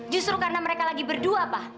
justru karena mereka lagi berdua pak